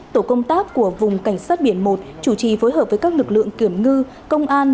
tổ công tác của vùng cảnh sát biển một chủ trì phối hợp với các lực lượng kiểm ngư công an